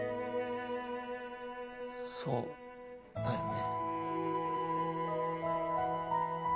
そうだよね。